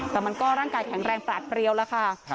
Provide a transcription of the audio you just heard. แต่มันก็ร่างกายแข็งแรงปราดเปรียวแล้วค่ะ